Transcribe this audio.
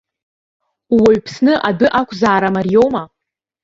Ууаҩԥсны адәы ақәзаара мариоума?